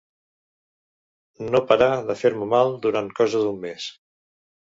No parà de fer-me mal durant cosa d'un mes